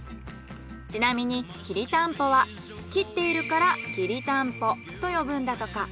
ちなみにきりたんぽは切っているからきりたんぽと呼ぶんだとか。